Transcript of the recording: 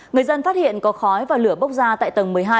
người dân phát hiện có khói và lửa bốc ra tại tầng một mươi hai